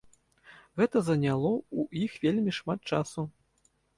Гэта заняло ў іх вельмі шмат часу.